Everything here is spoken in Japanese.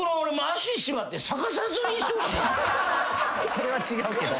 それは違うけど。